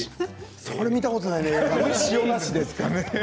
それは見たことないですね。